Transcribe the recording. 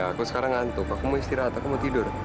aku sekarang ngantuk aku mau istirahat aku mau tidur